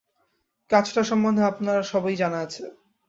কাজটার সম্বন্ধে আপনার সবই জানা আছে।